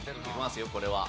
これは。